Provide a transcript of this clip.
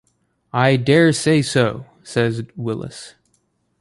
"I daresay so," said Willis.